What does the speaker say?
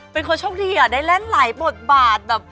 เป็นคนโชคดีได้เล่นหลายบทบาทแบบ